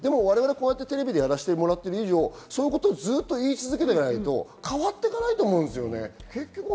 テレビでやらせてもらっている以上その事を言い続けていかないと変わっていかないと思うんですよね。